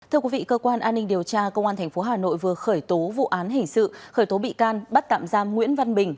thưa quý vị cơ quan an ninh điều tra công an tp hà nội vừa khởi tố vụ án hình sự khởi tố bị can bắt tạm giam nguyễn văn bình